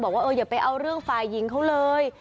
บอกว่าอย่าไปเอาเรื่องฝ่ายหญิงเขาเลย